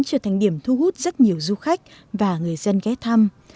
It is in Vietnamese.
trở thành điểm thu hút rất nhiều du khách và người dân ghé thăm